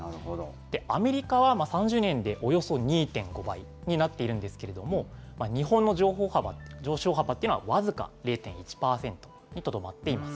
アメリカは３０年でおよそ２．５倍になっているんですけれども、日本の上昇幅というのは、僅か０．１％にとどまっています。